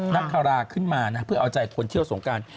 นักคาราขึ้นมานะเพื่อเอาใจคนเที่ยวสงการ